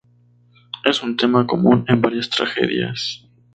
Es un tema común en varias tragedias.